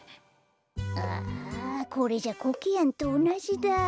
ああこれじゃあコケヤンとおなじだ。